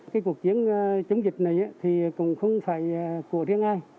cái cuộc chiến chống dịch này thì cũng không phải của riêng ai